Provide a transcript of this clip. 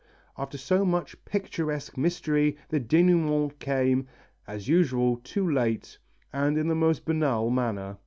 After so much picturesque mystery the dénouement came, as usual, too late and in the most banal manner.